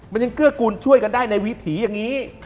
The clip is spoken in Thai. มันยังเกื้อกูลช่วยกันได้ในวิถีอย่างนี้